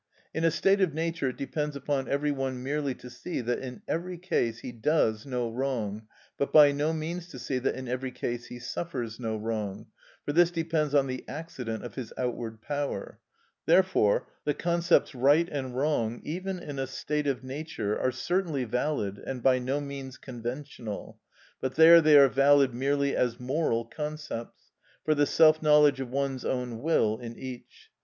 In a state of nature it depends upon every one merely to see that in every case he does no wrong, but by no means to see that in every case he suffers no wrong, for this depends on the accident of his outward power. Therefore the concepts right and wrong, even in a state of nature, are certainly valid and by no means conventional, but there they are valid merely as moral concepts, for the self knowledge of one's own will in each.